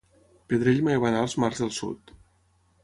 Pedrell mai va anar als mars del Sud.